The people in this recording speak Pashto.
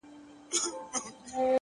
حروف د ساز له سوره ووتل سرکښه سوله ـ